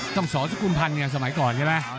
ต้องสอนสกุลพันธ์ไงสมัยก่อนใช่ไหม